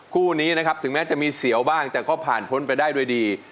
คู่นี้นะครับถึงแม้จะมีเสียวบ้างแต่ก็ผ่านพ้นไปได้ด้วยดี